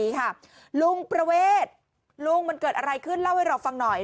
ลุงประเวทลุงมันเกิดอะไรขึ้นเล่าให้เราฟังหน่อย